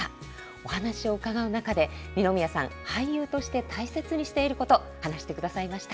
お話を伺う中で、二宮さん、俳優として大切にしていること、話してくださいました。